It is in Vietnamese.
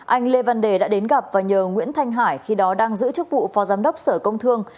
anh lê văn đề đã đến gặp và nhờ nguyễn thanh hải khi đó đang giữ chức vụ phó giám đốc sở công thương